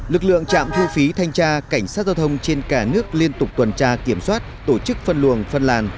lực lượng trạm thu phí thanh tra cảnh sát giao thông trên cả nước liên tục tuần tra kiểm soát tổ chức phân luồng phân làn